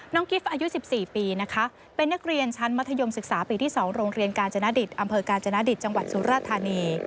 กิฟต์อายุ๑๔ปีนะคะเป็นนักเรียนชั้นมัธยมศึกษาปีที่๒โรงเรียนกาญจนดิตอำเภอกาญจนดิตจังหวัดสุราธานี